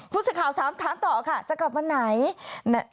พูดสิทธิ์ข่าว๓ถามต่อค่ะจะกลับวันไหน